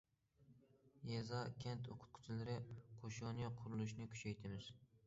يېزا- كەنت ئوقۇتقۇچىلىرى قوشۇنى قۇرۇلۇشىنى كۈچەيتىمىز.